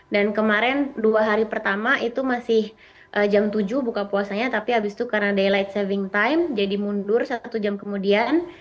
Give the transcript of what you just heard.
dan kemarin dua hari pertama itu masih jam tujuh buka puasanya tapi habis itu karena daylight saving time jadi mundur satu jam kemudian